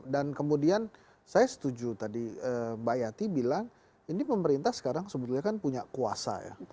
dan kemudian saya setuju tadi mbak yati bilang ini pemerintah sekarang sebetulnya kan punya kuasa ya